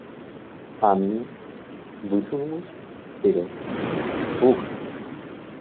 Анна высунулась вперед, слушая.